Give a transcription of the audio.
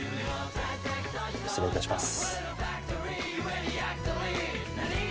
失礼いたします。